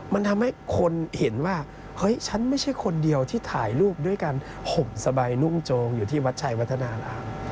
มันทำให้คนเห็นว่าเฮ้ยฉันไม่ใช่คนเดียวที่ถ่ายรูปด้วยการห่มสบายนุ่งโจงอยู่ที่วัดชัยวัฒนาราม